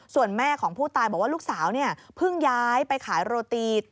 ส่วนแม่ของผู้ตายบอกว่าลูกสาวเพิ่งย้ายไปขายโรตี